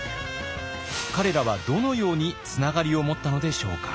彼らはどのようにつながりを持ったのでしょうか。